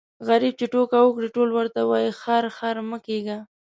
غريب چي ټوکه وکړي ټول ورته وايي خر خر مه کېږه.